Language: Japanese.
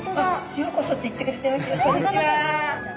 「ようこそ」って言ってくれてますよ。